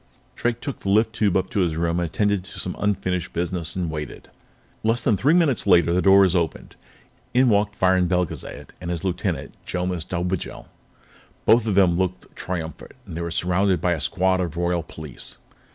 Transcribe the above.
Drake took the lift tube up to his room, attended to some unfinished business, and waited. Less than three minutes later, the door was opened. In walked Viron Belgezad and his lieutenant, Jomis Dobigel. Both of them looked triumphant, and they were surrounded by a squad of Royal Police.